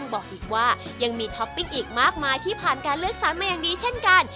บอกอีกว่ายังมีท็อปปิ้งอีกมากมายที่ผ่านการเลือกสรรมาอย่างดีเช่นกัน